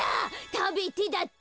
「食べて」だって。